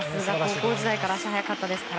高校時代から足が速かったからですね。